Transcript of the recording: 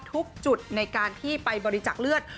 ทุกจุดในการที่ไปบริจักษ์เลือด